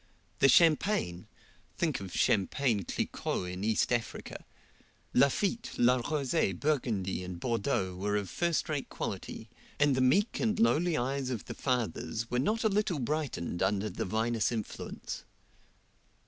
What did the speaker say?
The champagne think of champagne Cliquot in East Africa! Lafitte, La Rose, Burgundy, and Bordeaux were of first rate quality, and the meek and lowly eyes of the fathers were not a little brightened under the vinous influence.